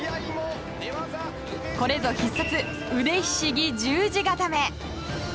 これぞ必殺、腕ひしぎ十字固。